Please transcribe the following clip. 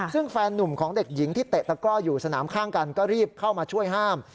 ซึ่งแฟนนุ่มของเด็กหญิงที่เตะตะก้ออยู่สนามข้างกันก็รีบเข้ามาช่วยห้าม